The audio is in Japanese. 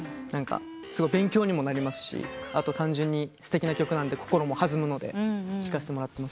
すごい勉強にもなりますし単純にすてきな曲なんで心も弾むので聞かせてもらってます。